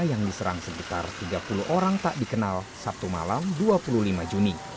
yang diserang sekitar tiga puluh orang tak dikenal sabtu malam dua puluh lima juni